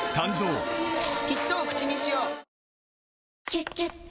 「キュキュット」